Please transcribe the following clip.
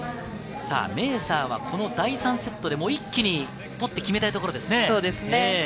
メーサーは第３セットで一気に取って決めたいところですね。